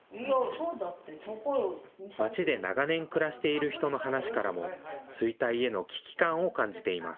町で長年暮らしている人の話からも、衰退への危機感を感じています。